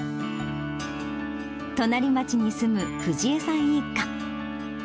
隣町に住む藤江さん一家。